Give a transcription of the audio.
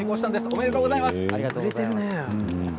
おめでとうございます。